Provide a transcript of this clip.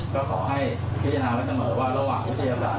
ก็ขอให้พิจารณาวัตเตอร์เหมือนว่าระหว่างวิทยาศาสตร์